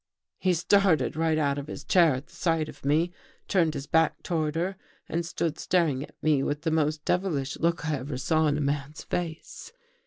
" He started right out of his chair at the sight of me, turned his back toward her and stood staring at me with the most devilish look I ever saw in a man's face.